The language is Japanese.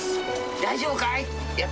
大丈夫かい？